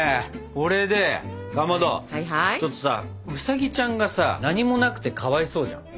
これでかまどちょっとさウサギちゃんがさ何もなくてかわいそうじゃん。